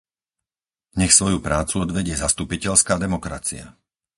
Nech svoju prácu odvedie zastupiteľská demokracia!